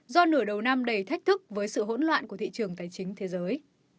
do nửa đầu năm đầy thách thức với sự hỗn loạn của thị trường tài chính thế giới